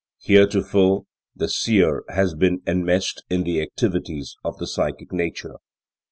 Heretofore the Seer has been enmeshed in the activities of the psychic nature.